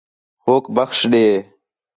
ہوک بخش ݙے